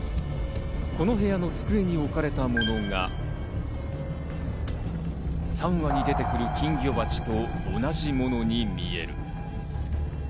この机の上に置かれたものが、３話に出てくる金魚鉢と同じものに見える。